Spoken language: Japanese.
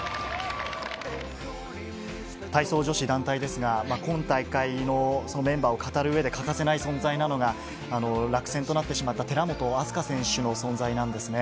体操女子団体ですが、今大会のメンバーを語るうえで欠かせない存在なのが、落選となってしまった寺本明日香選手の存在なんですね。